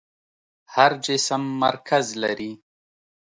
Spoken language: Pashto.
هر جسم مرکز لري.